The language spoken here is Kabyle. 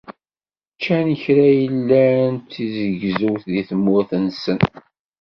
Ččan kra yellan d tizzegzewt di tmurt-nsen.